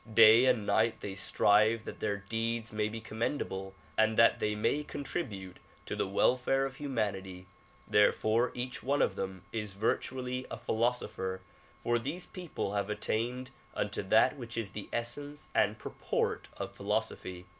Day and night they strive that their deeds may be commendable and that they may contribute to the welfare of humanity; therefore each one of them is virtually a philosopher, for these people have attained unto that which is the essence and purport of philosophy.